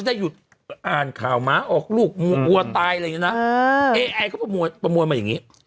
อะไรอย่างนี้นะเอไอเขาประมวลมาอย่างนี้